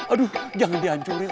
aduh jangan dihancurin